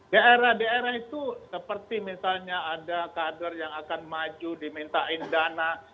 daerah daerah itu seperti misalnya ada kader yang akan maju dimintain dana